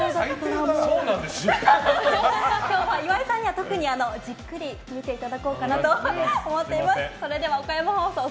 今日は岩井さんには特にじっくり見ていただこうかなと思っています。